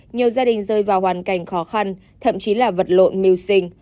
nhiều gia đình rơi vào hoàn cảnh khó khăn thậm chí là vật lộn mưu sinh